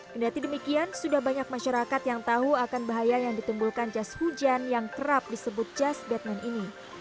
kendati demikian sudah banyak masyarakat yang tahu akan bahaya yang ditimbulkan jas hujan yang kerap disebut jas batman ini